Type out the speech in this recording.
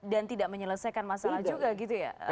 tidak menyelesaikan masalah juga gitu ya